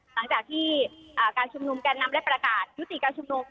หลังจากที่การชุมนุมแกนนำได้ประกาศยุติการชุมนุม